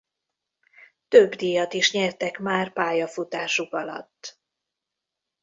Több díjat is nyertek már pályafutásuk alatt.